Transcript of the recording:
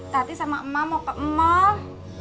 hati sama emak mau ke emak